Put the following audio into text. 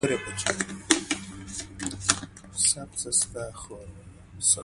د اتحادیو له مسؤلینو وغوښتل چي په ګډه سره